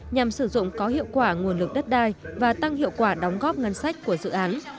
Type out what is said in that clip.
nhằm sử dụng có hiệu quả nguồn lực đất đai và tăng hiệu quả đóng góp ngân sách của dự án